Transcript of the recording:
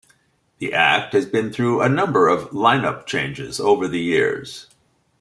The act has been through a number of line-up changes over the years.